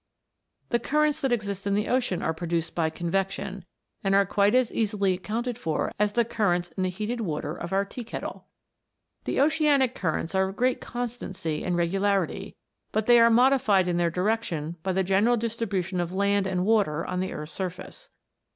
* The currents that exist in the ocean are produced by convection, and are quite as easily accounted for as the currents in the heated water of our tea kettle. The oceanic currents are of great constancy and regularity, but they are modified in their direction by the general distribution of land and water on the earth's surface.